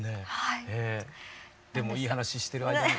でもいい話してる間にね。